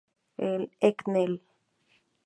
El Cnel.